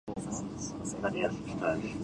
バルセロナ県の県都はバルセロナである